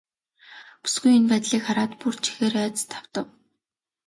Бүсгүй энэ байдлыг хараад бүр ч ихээр айдаст автав.